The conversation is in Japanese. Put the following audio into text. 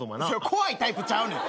怖いタイプちゃうねん。